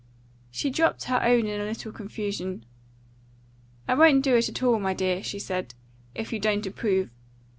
She dropped her own in a little confusion. "I won't do it at all, my dear," she said, "if you don't approve.